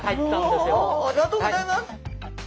おおありがとうギョざいます。